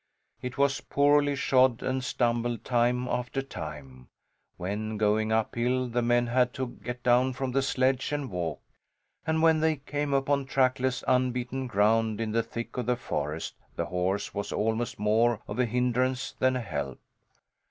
It was poorly shod, and stumbled time after time. When going uphill the men had to get down from the sledge and walk, and when they came upon trackless unbeaten ground in the thick of the forest the horse was almost more of a hindrance than a help.